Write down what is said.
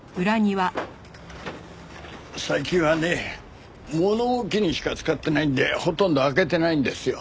最近はね物置にしか使ってないんでほとんど開けてないんですよ。